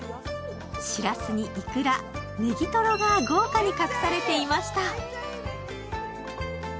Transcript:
しらすにイクラ、ねぎとろが豪華に隠されていました。